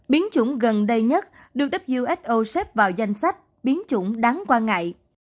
biến chủng gần đây nhất được wso xếp vào danh sách biến chủng đáng quan ngại